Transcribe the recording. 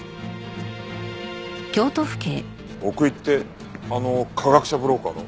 奥居ってあの科学者ブローカーの？